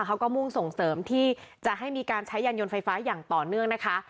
เขาก็มุ่งส่งเสริมที่จะให้มีการใช้ยานยนต์ไฟฟ้าอย่างต่อเนื่องนะคะ